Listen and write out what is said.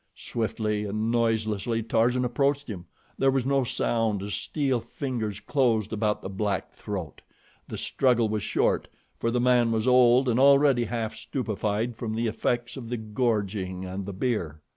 Swiftly and noiselessly Tarzan approached him. There was no sound as steel fingers closed about the black throat. The struggle was short, for the man was old and already half stupefied from the effects of the gorging and the beer.